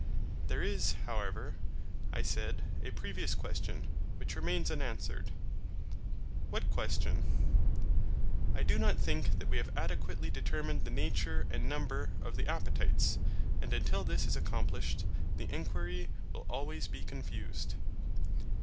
There is, however, I said, a previous question which remains unanswered. What question? I do not think that we have adequately determined the nature and number of the appetites, and until this is accomplished the enquiry will always be confused.